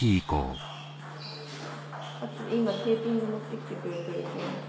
今テーピング持ってきてくれてるんで。